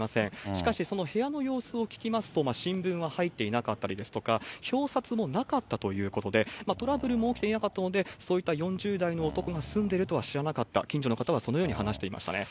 しかし、その部屋の様子を聞きますと、新聞は入っていなかったりですとか、表札もなかったということで、トラブルも起きていなかったので、そういった４０代の男が住んでいるとは知らなかった、近所の方はそのように話していましたね。